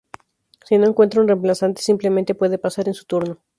Si no encuentra un reemplazante, simplemente puede "pasar" en su turno.